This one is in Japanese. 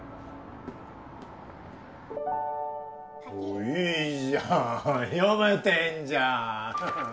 おぉいいじゃん読めてんじゃんはははっ。